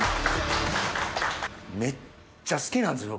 めっちゃ好きなんですよ